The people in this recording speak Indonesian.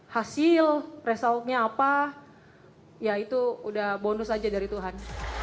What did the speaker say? hasil resultnya apa ya itu udah bonus aja dari tuhan